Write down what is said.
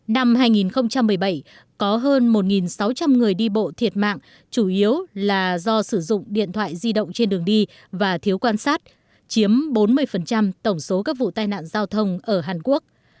năm hai nghìn một mươi bảy có hơn một sáu trăm linh người đi bộ thiệt mạng chủ yếu là do sử dụng điện thoại di động trên đường đi và thiếu quan sát chiếm bốn mươi tổng số các vụ tai nạn giao thông ở hàn quốc